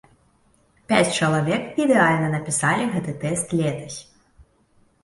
Пяць чалавек ідэальна напісалі гэты тэст летась.